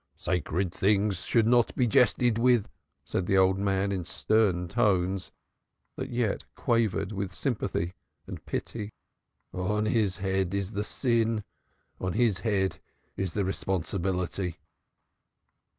"Sacred things should not be jested with," said the old man in stern tones that yet quavered with sympathy and pity. "On his head is the sin; on his head is the responsibility."